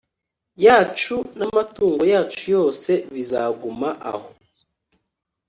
yacu n amatungo yacu yose bizaguma aho